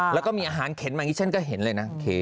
แล้วก็มีอาหารเข็นมาฉันก็เห็นเลยนะ